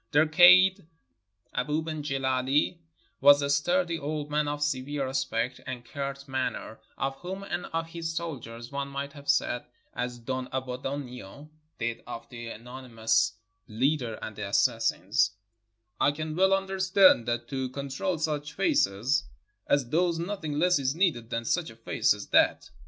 Their kaid, Abou ben Gileh, was a sturdy old man of severe aspect and curt manner, of whom, and of his soldiers, one might have said as Don Abbondio did of the anonymous leader and the assassins: "I can well understand that to con trol such faces as these nothing less is needed than such a face as that."